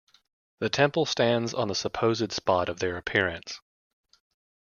The temple stands on the supposed spot of their appearance.